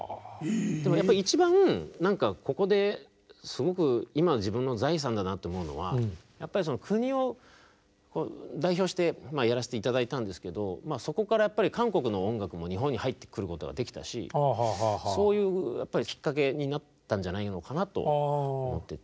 一番何かここですごく今の自分の財産だなと思うのは国を代表してやらせて頂いたんですけどそこから韓国の音楽も日本に入ってくることができたしそういうきっかけになったんじゃないのかなと思ってて。